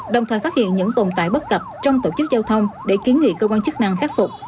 đồng thời phát hiện những tồn tại bất cập trong tổ chức giao thông để kiến nghị cơ quan chức năng khắc phục